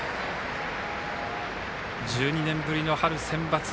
１２年ぶりの春センバツ。